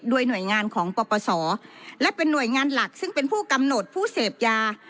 โดยหน่วยงานของปปศและเป็นหน่วยงานหลักซึ่งเป็นผู้กำหนดผู้เสพยา